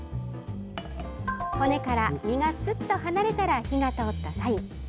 骨から身がすっと離れたら火が通ったサイン。